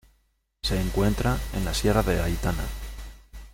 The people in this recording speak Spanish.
Se encuentra en la sierra de Aitana.